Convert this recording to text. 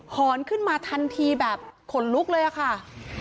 หอนขึ้นมาทันทีแบบขนลุกเลยอะค่ะ